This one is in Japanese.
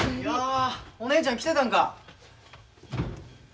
やあお姉ちゃん来てたんか。